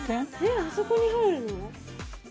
えっあそこに入るの？